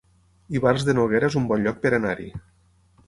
Ivars de Noguera es un bon lloc per anar-hi